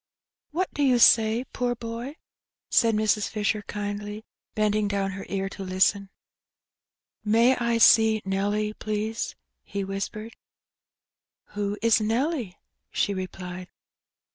"What do you say, poor boy?" said Mrs. Fisher kindly, bending down her ear to listen. May I see Nelly, please?" he whispered. Who is Nelly?" she replied.